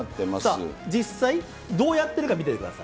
実際、どうやってるか見ててください。